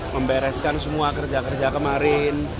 membereskan semua kerja kerja kemarin